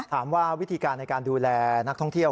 ถามว่าวิธีการในการดูแลนักท่องเที่ยว